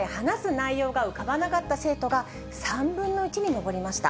今回、話す内容が浮かばなかった生徒が、３分の１に上りました。